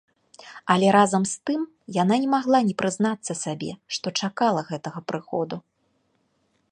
Але разам з тым яна не магла не прызнацца сабе, што чакала гэтага прыходу.